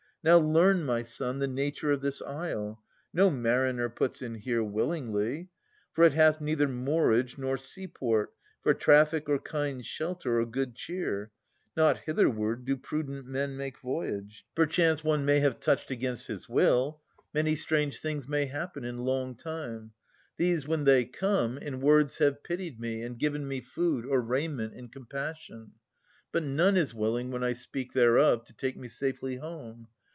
Now learn, my son, the nature of this isle. No mariner puts in here willingly. For it hath neither moorage, nor sea port. For trafSc or kind shelter or good cheer. Not hitherward do prudent men make voyage. 278 Philoctetes [305 332 Perchance one may have touched against his will. Many strange things may happen in long time. These, when they come, in words have pitied me, And given me food, or raiment, in compassion. But none is willing, when I speak thereof, To take me safely home.